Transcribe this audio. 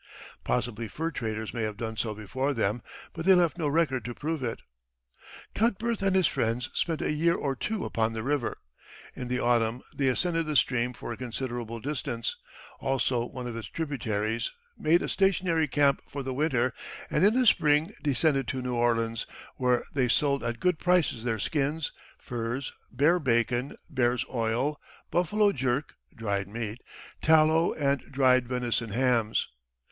Possibly fur traders may have done so before them, but they left no record to prove it. Cutbirth and his friends spent a year or two upon the river. In the autumn they ascended the stream for a considerable distance, also one of its tributaries, made a stationary camp for the winter, and in the spring descended to New Orleans, where they sold at good prices their skins, furs, bear bacon, bear's oil, buffalo "jerk" (dried meat), tallow, and dried venison hams.